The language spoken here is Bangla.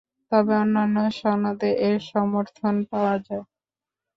তবে অন্যান্য সনদে এর সমর্থন পাওয়া যায়।